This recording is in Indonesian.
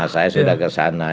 saya sudah kesana